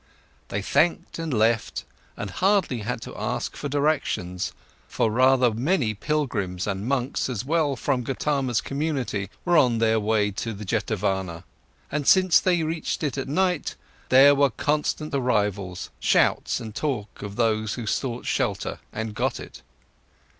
They thanked and left and hardly had to ask for directions, for rather many pilgrims and monks as well from Gotama's community were on their way to the Jetavana. And since they reached it at night, there were constant arrivals, shouts, and talk of those who sought shelter and got it.